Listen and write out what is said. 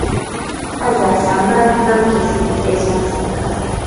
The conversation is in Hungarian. Ezzel szemben nem készített rézmetszeteket.